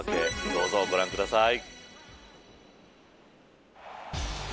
どうぞ、ご覧ください。